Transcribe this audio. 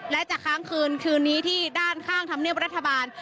และจะค้างคืนคืนนี้ที่ด้านข้างธรรมเนียบรัฐบาล